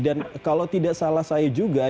dan kalau tidak salah saya juga